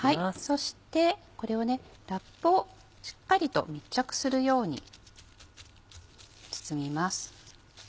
そしてこれをラップをしっかりと密着するように包みます。